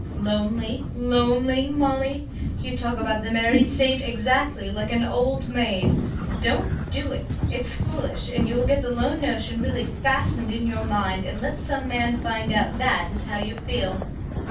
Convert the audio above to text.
"Lonely, lonely, Molly? You talk about the married state exactly like an old maid. Don't do it it's foolish, and you will get the lone notion really fastened in your mind and let some man find out that is how you feel.